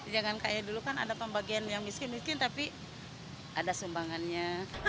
jangan kayak dulu kan ada pembagian yang miskin miskin tapi ada sumbangannya